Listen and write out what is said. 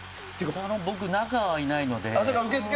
僕、中にはいないので。